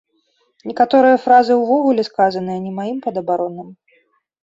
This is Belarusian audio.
Некаторыя фразы ўвогуле сказаныя не маім падабаронным.